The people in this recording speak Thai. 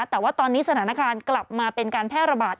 แต่ว่าตอนนี้สถานการณ์กลับมาเป็นการแพร่ระบาด